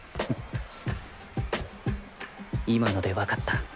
今のでわかった。